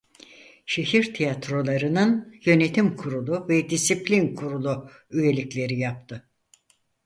Şehir Tiyatroları'nın yönetim kurulu ve disiplin kurulu üyelikleri yaptı.